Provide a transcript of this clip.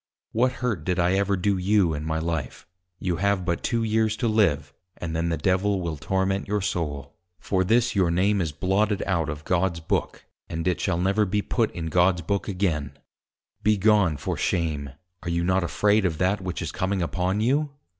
What hurt did I ever do you in my life? You have but two Years to live, and then the Devil will torment your Soul; for this your Name is blotted out of God's Book, and it shall never be put in God's Book again; be gone for shame, are you not afraid of that which is coming upon you?